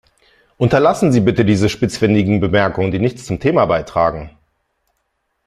Unterlassen Sie bitte diese spitzfindigen Bemerkungen, die nichts zum Thema beitragen.